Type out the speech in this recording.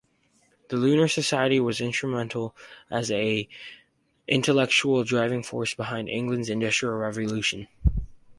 The Lunar Society was instrumental as an intellectual driving force behind England's Industrial Revolution.